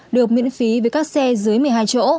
được miễn phí với các xe dưới một mươi hai chỗ